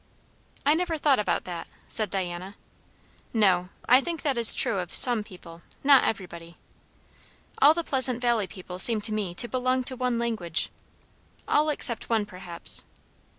"I never thought about that," said Diana. "No; I think that is true of some people; not everybody. All the Pleasant Valley people seem to me to belong to one language. All except one, perhaps."